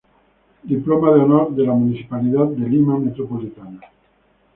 Diploma de Honor de la Municipalidad de Lima Metropolitana.